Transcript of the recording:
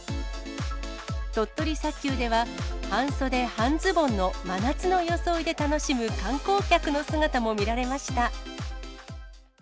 鳥取砂丘では、半袖半ズボンの真夏の装いで楽しむ観光客の姿も見られました。